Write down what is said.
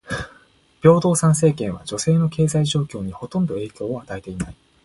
平等参政権は女性の経済状況にほとんど影響を与えていない。